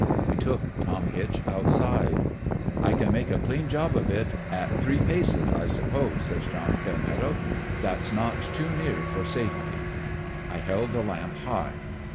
" We took Tom Hitch outside. '"I can make a clean job of it at three paces, I suppose,' says John Fairmeadow. * That's not too near for safety.' " I held the lamp high.